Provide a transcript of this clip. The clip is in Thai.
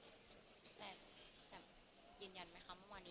แต่ยินยันไหมครับ